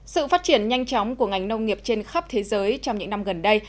sự phát triển nhanh chóng của ngành nông nghiệp trên khắp thế giới trong những năm gần đây